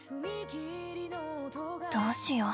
どうしよう？